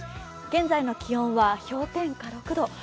現在の気温は氷点下２度。